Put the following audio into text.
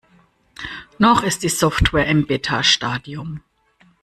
Noch ist die Software im Beta-Stadium.